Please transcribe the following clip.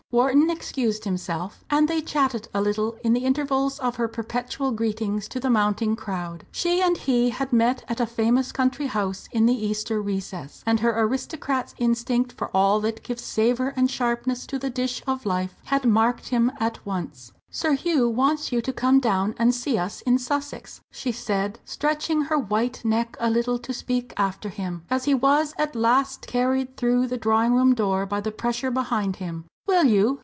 Wharton excused himself, and they chatted a little in the intervals of her perpetual greetings to the mounting crowd. She and he had met at a famous country house in the Easter recess, and her aristocrat's instinct for all that gives savour and sharpness to the dish of life had marked him at once. "Sir Hugh wants you to come down and see us in Sussex," she said, stretching her white neck a little to speak after him, as he was at last carried through the drawing room door by the pressure behind him. "Will you?"